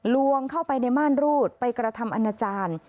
ลวงเข้าไปในม่านรูดไปกระทำอนาจารย์